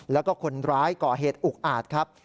แล้วก็คนร้ายก่อเหตุอุกอาจครับ